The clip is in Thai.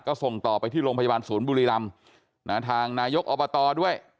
ก็ส่งต่อไปที่โรงพยาบาลศูนย์บุรีรำทางนายกอบตด้วย